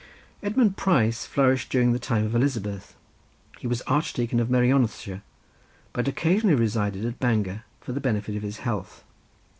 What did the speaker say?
Edmund Price flourished during the time of Elizabeth. He was archdeacon of Merionethshire, but occasionally resided at Bangor for the benefit of his health.